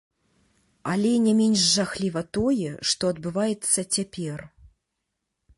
Але не менш жахліва тое, што адбываецца цяпер.